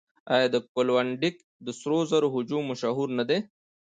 آیا د کلونډیک د سرو زرو هجوم مشهور نه دی؟